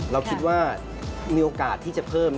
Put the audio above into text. เราคิดว่ามีโอกาสที่จะเพิ่ม